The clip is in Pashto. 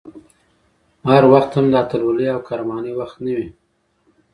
هر وخت هم د اتلولۍ او قهرمانۍ وخت نه وي